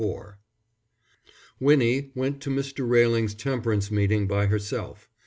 IV Winnie went to Mr. Railing's temperance meeting by herself.